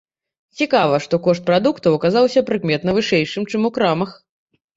Цікава, што кошт прадуктаў аказаўся прыкметна вышэйшым чым у крамах.